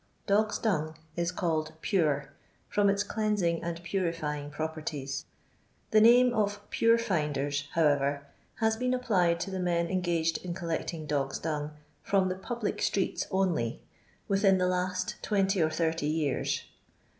Doos' dung is called "Pure," from its clennsing nnd purifying properties. The name of " Pure finders," however, hns been applied to the men engaged in collecting dogs' dung from the public streets only, within the last 20 or 30 years.